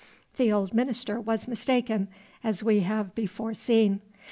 The old minister was mistaken, as we have before seen.